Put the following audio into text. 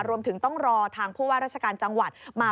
รวมถึงต้องรอทางผู้ว่าราชการจังหวัดมา